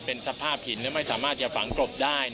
เป็นสภาพหินไม่สามารถจะฝังกลบได้